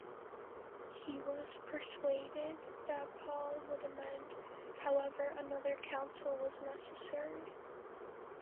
He was persuaded that Paul would amend, however another council was necessary.